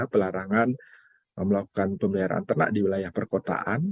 pelarangan melakukan pemeliharaan ternak di wilayah perkotaan